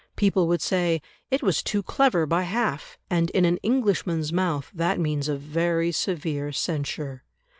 People would say, "it was too clever by half," and in an Englishman's mouth that means a very severe censure.